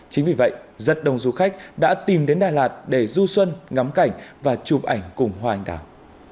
chính vì vậy rất đông du khách đã tìm đến đà lạt để du xuân ngắm cảnh và chụp ảnh cùng hoa anh đào